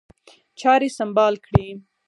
چاري سمبال کړي.